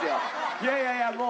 いやいやいやもう。